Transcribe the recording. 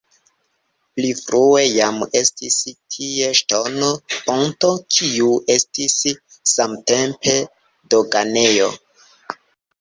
Pli frue jam estis tie ŝtona ponto, kiu estis samtempe doganejo.